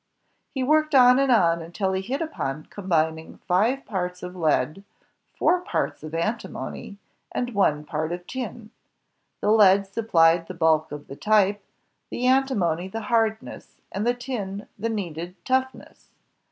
He worked on and on, until he hit upon combining five parts of lead, four parts of antimony, and one part of tin. The lead suppUed the bulk of the type, the antimony the hardness, and the tin the needed toughness.